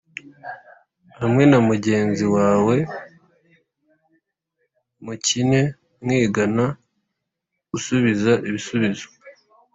Hamwe na mugenzi wawe mukine mwigana gusubiza ibisubizo